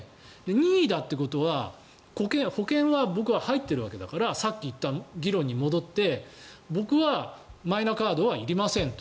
任意だということは保険は僕は入っているわけだからさっき言った議論に戻って僕はマイナカードはいりませんと。